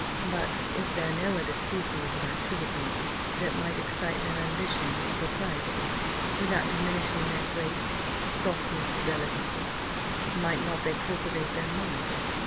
"But is there no other species of activity that might excite their ambition with propriety? Without diminishing their grace, softness, or delicacy, might not they cultivate their minds?